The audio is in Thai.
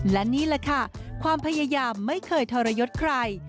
และนี่แหละค่ะความพยายามไม่เคยทรยศใคร